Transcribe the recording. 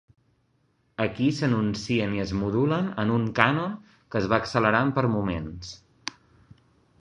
Aquí s'enuncien i es modulen en un cànon que es va accelerant per moments.